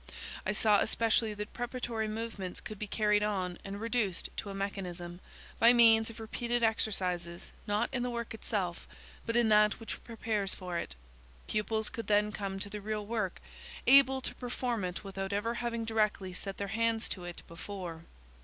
I saw especially that preparatory movements could be carried on, and reduced to a mechanism, by means of repeated exercises not in the work itself but in that which prepares for it. Pupils could then come to the real work, able to perform it without ever having directly set their hands to it before.